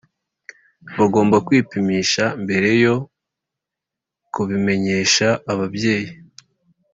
bagomba kwipimisha mbere yo kubimenyesha ababyeyi.